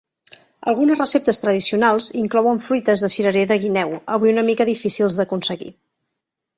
Algunes receptes tradicionals inclouen fruites de cirerer de guineu, avui una mica difícils d'aconseguir.